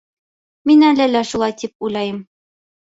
Мин әле лә шулай тип уйлайым.